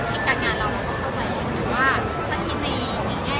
ช่องความหล่อของพี่ต้องการอันนี้นะครับ